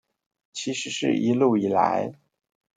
其實是一路以來